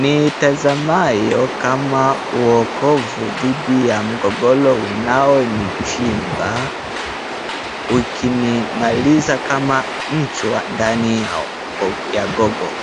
niitazamayo kama uokovu dhidi ya mgogoro unaonichimba ukinimaliza kama mchwa ndani ya gogo